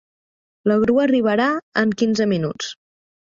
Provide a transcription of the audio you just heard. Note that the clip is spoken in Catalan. La grua arribarà en quinze minuts.